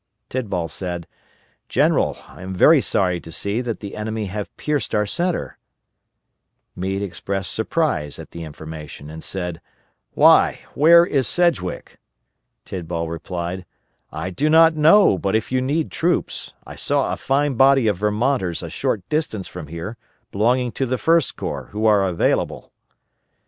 Tidball said, "General, I am very sorry to see that the enemy have pierced our centre." Meade expressed surprise at the information and said, "Why, where is Sedgwick?" Tidball replied, "I do not know, but if you need troops, I saw a fine body of Vermonters a short distance from here, belonging to the First Corps, who are available."